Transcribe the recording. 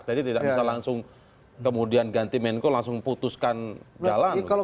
tadi tidak bisa langsung kemudian ganti menko langsung putuskan jalan